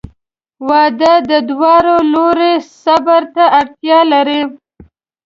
• واده د دواړو لورو صبر ته اړتیا لري.